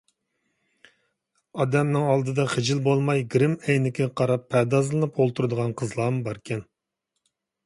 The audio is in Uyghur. ئادەمنىڭ ئالدىدا خىجىل بولماي گىرىم ئەينىكىگە قاراپ پەردازلىنىپ ئولتۇرىدىغان قىزلارمۇ باركەن...